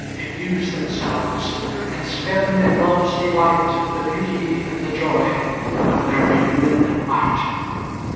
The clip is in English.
Diffuse themselves, and spend in love's delight The beauty and the joy of their renewed might.